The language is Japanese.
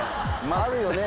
あるよね